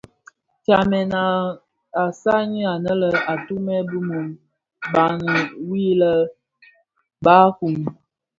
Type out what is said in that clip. Tsamèn a zaňi anë atumè bi mum baňi wii lè barkun.